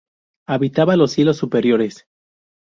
Habitaba los cielos superiores.